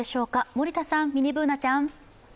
森田さん、ミニＢｏｏｎａちゃん。